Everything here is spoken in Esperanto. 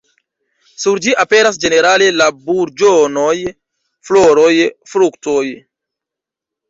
Sur ĝi aperas ĝenerale la burĝonoj, floroj, fruktoj.